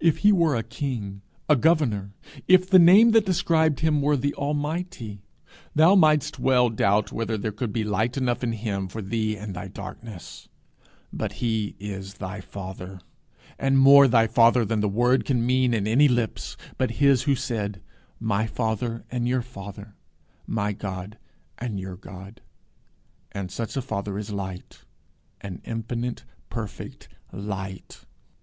If he were a king, a governor; if the name that described him were The Almighty, thou mightst well doubt whether there could be light enough in him for thee and thy darkness; but he is thy father, and more thy father than the word can mean in any lips but his who said, 'my father and your father, my God and your God;' and such a father is light, an infinite, perfect light.